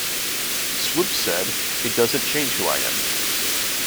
Swoopes said, it doesn't change who I am.